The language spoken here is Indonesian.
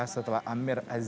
setelah amir azikra